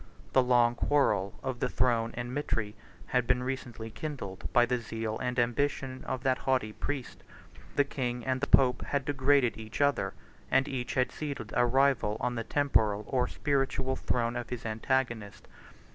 The long quarrel of the throne and mitre had been recently kindled by the zeal and ambition of that haughty priest: 83 the king and the pope had degraded each other; and each had seated a rival on the temporal or spiritual throne of his antagonist.